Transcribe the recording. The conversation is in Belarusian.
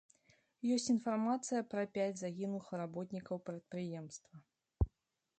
Ёсць інфармацыя пра пяць загінулых работнікаў прадпрыемства.